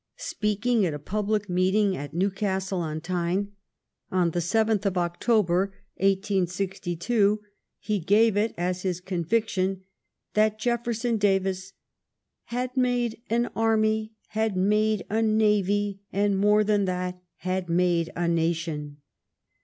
Speaking at a public meeting at Newcastle on Tyne on the seventh of October, 1862, he gave it as his conviction that Jefferson Davis "had made an army, had made a navy, and, more than that, had made a nation."